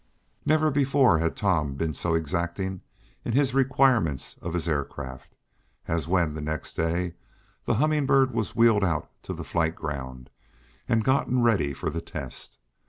Never before had Tom been so exacting in his requirements of his air craft as when, the next day, the Humming Bird was wheeled out to the flight ground, and gotten ready for the test.